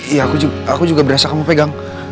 iya aku juga berasa kamu pegang